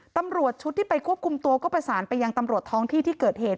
ตำรวจชุดที่ไปควบคุมตัวก็ประสานไปยังตำรวจท้องที่ที่เกิดเหตุ